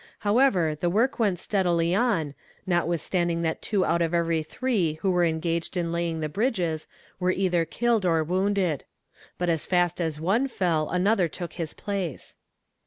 However, the work went steadily on, notwithstanding that two out of every three who were engaged in laying the bridges were either killed or wounded. But as fast as one fell another took his place.